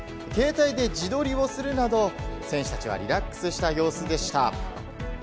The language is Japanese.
携帯で自撮りをするなど選手たちはリラックスした様子でした。